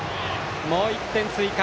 もう１点追加。